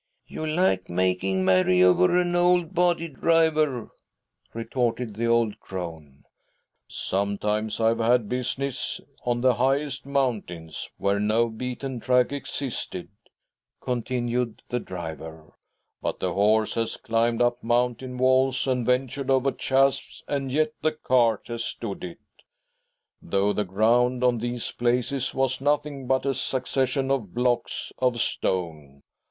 " You like making merry over an old body, driver," retorted the old crone. " Sometimes I have had business on the highest mountains, where no beaten track existed," con tinued the driver, " but the horse has climbed up mountain walls and ventured over chasms, and yet the cart has stood it — though the ground on these places was nothing but a succession of blocks of stone.